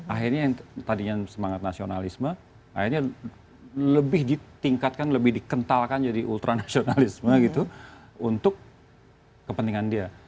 akhirnya yang tadinya semangat nasionalisme akhirnya lebih ditingkatkan lebih dikentalkan jadi ultra nasionalisme gitu untuk kepentingan dia